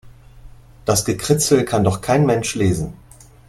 Das Gekritzel kann doch kein Mensch lesen.